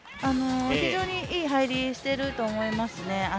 非常にいい入りしていると思いますね。